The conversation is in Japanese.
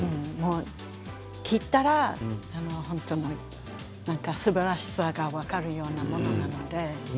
着たらすばらしさが分かるようなものなので。